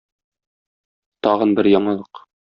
Тагын бер яңалык.